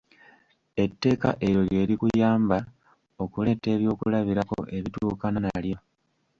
Etteeka eryo lye likuyamba okuleeta ebyokulabirako ebituukana nalyo.